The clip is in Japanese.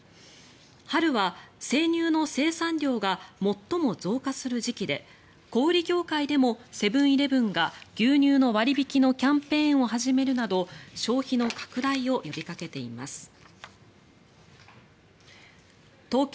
春は生乳の生産量が最も増加する時期で小売業界でもセブン−イレブンが牛乳の割引のキャンペーンを始めるなど消費の拡大を呼びかけています。